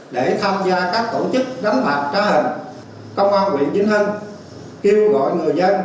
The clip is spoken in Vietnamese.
để tham gia các tổ chức đánh mạc trá hình công an huyện vinh hưng kêu gọi người dân